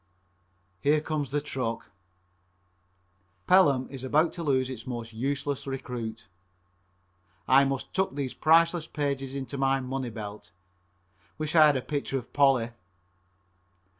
Here comes the truck. Pelham is about to lose its most useless recruit. I must tuck these priceless pages in my money belt. Wish I had a picture of Polly.